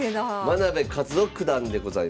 真部一男九段でございます。